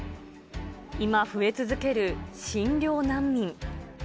今増え続ける診療難民。